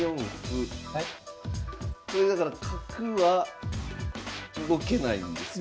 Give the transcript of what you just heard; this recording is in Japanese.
これだから角は動けないんですよね。